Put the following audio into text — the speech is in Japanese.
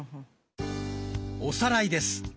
おさらいです。